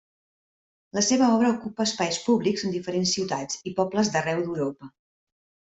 La seva obra ocupa espais públics en diferents ciutats i pobles d’arreu d’Europa.